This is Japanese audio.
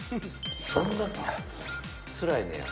そんなつらいねや。